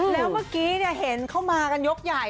แล้วเมื่อกี้เห็นเข้ามากันยกใหญ่